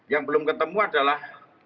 yang belum ketemu adalah